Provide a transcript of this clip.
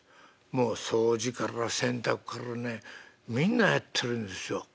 もう掃除から洗濯からねみんなやってるんですよ」。